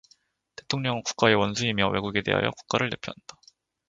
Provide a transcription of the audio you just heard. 대통령은 국가의 원수이며, 외국에 대하여 국가를 대표한다.